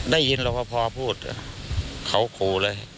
ได้ยินแล้วพอพูดเขากลัวเลย